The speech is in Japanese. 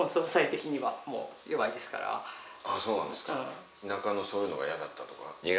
そうなんですか。